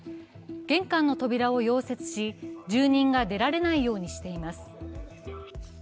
玄関の扉を溶接し、住人が出られないようにしています。